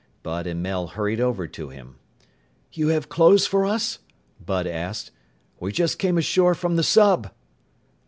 Bud and Mel hurried over to him. "You have clothes for us?" Bud asked. "We just came ashore from the sub!"